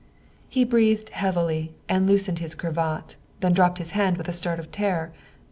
" He breathed heavily and loosened his cravat, then dropped his hand with a start of terror.